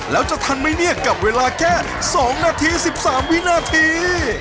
แล้วจะทันไหมเนี่ยกับเวลาแค่๒นาที๑๓วินาที